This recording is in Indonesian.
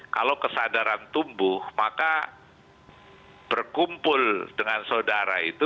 kalau kesadaran tumbuh maka berkumpul dengan saudara itu